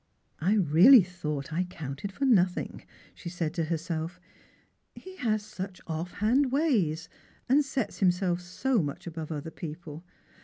" I really thought I counted for nothing," she said to hersel, " he has such ofi' hand ways, and sets kimself so much above other people.